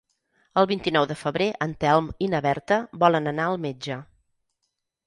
El vint-i-nou de febrer en Telm i na Berta volen anar al metge.